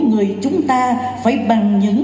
người chúng ta phải bằng những